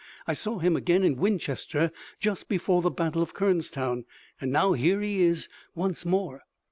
I saw him again in Winchester just before the battle of Kernstown, and now here he is once more."